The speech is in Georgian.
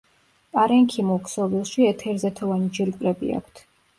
პარენქიმულ ქსოვილში ეთერზეთოვანი ჯირკვლები აქვთ.